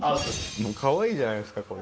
もうかわいいじゃないですか、これ。